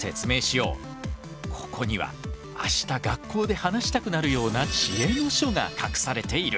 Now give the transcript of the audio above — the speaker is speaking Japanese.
ここには明日学校で話したくなるような知恵の書が隠されている。